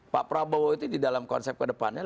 pak prabowo itu di dalam konsep ke depannya